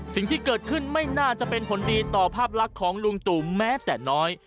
สิ่งที่เกิดขึ้นไม่น่าจะเป็นผลดีต่อภาพลักษณ์ของลุงตู่แม้แต่น้อย